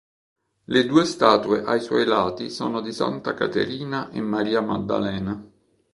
Le due statue ai suoi lati sono di Santa Caterina e Maria Maddalena.